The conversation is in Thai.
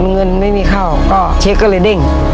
เงินไม่มีเข้าก็เช็คก็เลยเด้ง